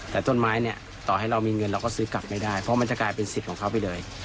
แต่ต้นไม้เนี่ยต่อให้เรามีเงินเราก็ซื้อกลับไม่ได้เพราะมันจะกลายเป็นสิทธิ์ของเขาไปเลย